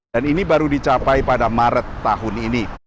dan ini baru dicapai pada maret tahun ini